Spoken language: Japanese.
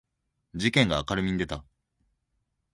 事件が明るみに出た